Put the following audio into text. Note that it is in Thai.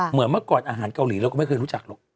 เหมือนเมื่อก่อนอาหารเกาหลีเราก็ไม่เคยรู้จักหรอก